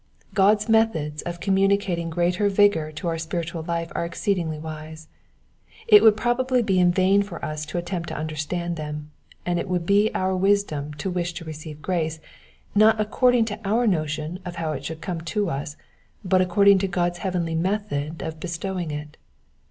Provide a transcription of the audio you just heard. God's methods of communicating greater vigour to our spiritual life are exceedingly wise ; it would probably be in vain for us to attempt to understand them ; and it will be our wisdom to wish to receive grace, not according to our notion of how it shoiild come to us, but according to God's heavenly method of bestowing it.